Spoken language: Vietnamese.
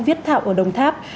viết thạo ở đồng tháp